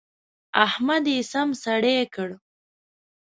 احمد يې سم سړی کړ.